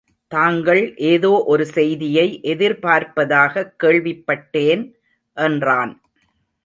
தாங்கள் எதோ ஒரு செய்தியை எதிர்பார்ப்பதாகக் கேள்விப்பட்டேன் என்றான்.